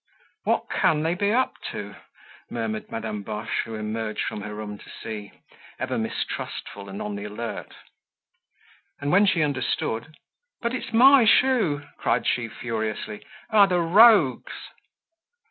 "What can they be up to?" murmured Madame Boche, who emerged from her room to see, ever mistrustful and on the alert. And when she understood: "But it's my shoe!" cried she furiously. "Ah, the rogues!"